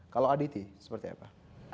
kalau aditi seperti apa